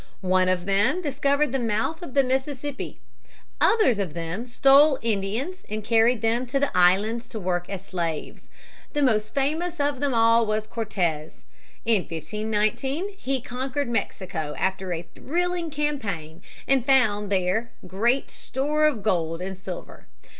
One of them discovered the mouth of the Mississippi. Others of them stole Indians and carried them to the islands to work as slaves. The most famous of them all was Cortez. In 1519 he conquered Mexico after a thrilling campaign and found there great store of gold and silver.